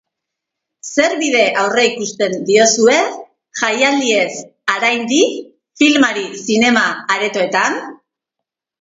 Zer bide aurreikusten diozue, jaialdiez haraindi, filmari zinema aretoetan?